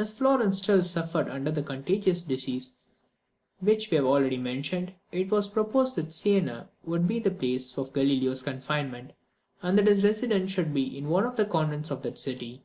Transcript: As Florence still suffered under the contagious disease which we have already mentioned, it was proposed that Sienna should be the place of Galileo's confinement, and that his residence should be in one of the convents of that city.